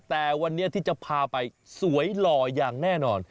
แต่วันนี้ที่จะพาไปสวยหล่ออย่างแน่นอน